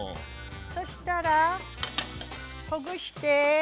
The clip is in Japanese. そしたらほぐして。